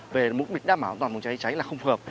về mục đích đảm bảo an toàn phòng trái trái là không hợp